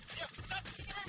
serangin aku mas